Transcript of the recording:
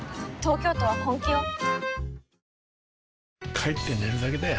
帰って寝るだけだよ